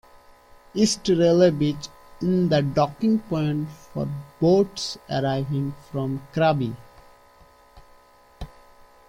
East Railay Beach is the docking point for boats arriving from Krabi.